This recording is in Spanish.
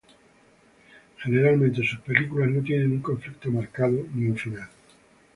Generalmente sus películas no tienen un conflicto marcado, ni un final.